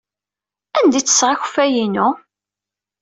Anda ay ttesseɣ akeffay-inu?